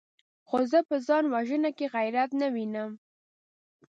خو زه په ځان وژنه کې غيرت نه وينم!